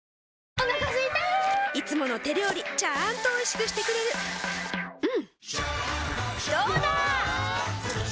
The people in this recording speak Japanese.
お腹すいたいつもの手料理ちゃんとおいしくしてくれるジューうんどうだわ！